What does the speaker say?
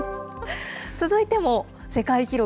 続いても、世界記録。